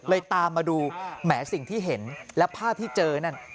ตามมาดูแหมสิ่งที่เห็นและภาพที่เจอนั่น